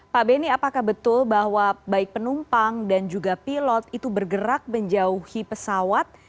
pak benny apakah betul bahwa baik penumpang dan juga pilot itu bergerak menjauhi pesawat